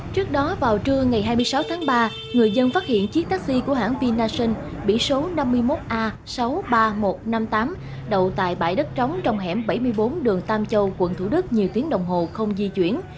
trước đó vào trưa ngày hai mươi sáu tháng ba người dân phát hiện chiếc taxi của hãng vinasun biển số năm mươi một a sáu mươi ba nghìn một trăm năm mươi tám đậu tại bãi đất trống trong hẻm bảy mươi bốn đường tam châu quận thủ đức nhiều tiếng đồng hồ không di chuyển